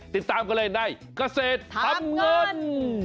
ติดตามกันเลยในกระเศษทำเงิน